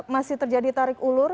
masih terjadi tarik ulur